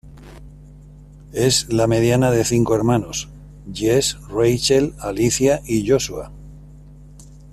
Es la mediana de cinco hermanos: Jesse, Rachel, Alicia y Joshua.